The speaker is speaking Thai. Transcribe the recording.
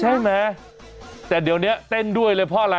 ใช่ไหมแต่เดี๋ยวนี้เต้นด้วยเลยเพราะอะไร